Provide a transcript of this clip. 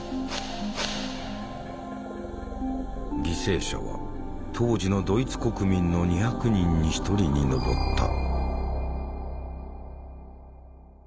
犠牲者は当時のドイツ国民の２００人に１人に上った。